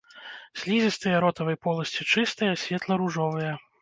Слізістыя ротавай поласці чыстыя, светла-ружовыя.